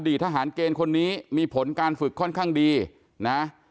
ทหารเกณฑ์คนนี้มีผลการฝึกค่อนข้างดีนะ